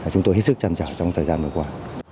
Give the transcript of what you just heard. chúng tôi hết sức trăn trở trong thời gian vừa qua